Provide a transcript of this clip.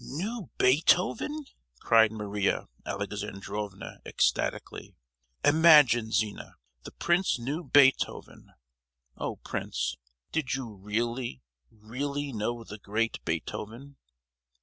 "Knew Beethoven!" cried Maria Alexandrovna, ecstatically. "Imagine, Zina, the prince knew Beethoven! Oh, prince, did you really, really know the great Beethoven?"